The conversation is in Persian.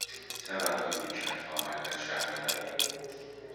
چقدر طول می کشد تا به مرکز شهر برویم؟